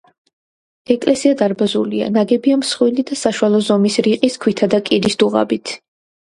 ეკლესია დარბაზულია, ნაგებია მსხვილი და საშუალო ზომის რიყის ქვითა და კირის დუღაბით.